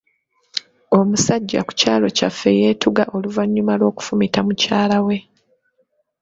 Omusajja ku kyalo kyaffe yeetuga oluvannyuma lw'okufumita mukyala we.